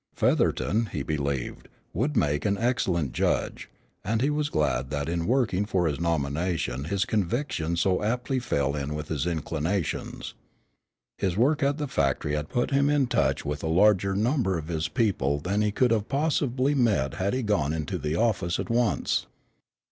Featherton, he believed, would make an excellent judge, and he was glad that in working for his nomination his convictions so aptly fell in with his inclinations. His work at the factory had put him in touch with a larger number of his people than he could have possibly met had he gone into the office at once.